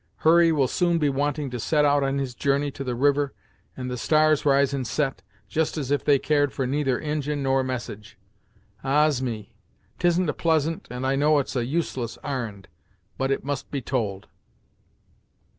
Hurry will soon be wanting to set out on his journey to the river, and the stars rise and set, just as if they cared for neither Injin nor message. Ah's! me; 'Tisn't a pleasant, and I know it's a useless ar'n'd, but it must be told."